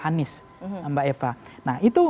anies mbak eva nah itu